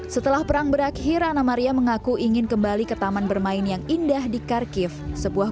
setelah perang berakhir anna maria mengaku ingin kembali ke taman bermain yang indah di kharkiv sebuah